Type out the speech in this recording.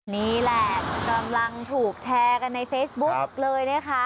นี่แหละกำลังถูกแชร์กันในเฟซบุ๊กเลยนะคะ